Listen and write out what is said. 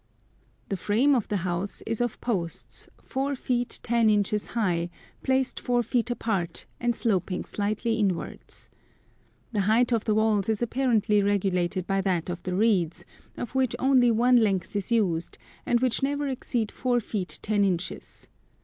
The frame of the house is of posts, 4 feet 10 inches high, placed 4 feet apart, and sloping slightly inwards. The height of the walls is apparently regulated by that of the reeds, of which only one length is used, and which never exceed 4 feet 10 inches.